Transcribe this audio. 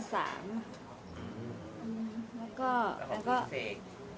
แล้วก็